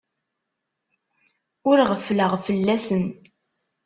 Ur ɣeffleɣ fell-asen.